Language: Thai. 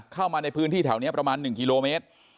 เข้ามาในพื้นที่แถวนี้ประมาณ๑กิโลเมตร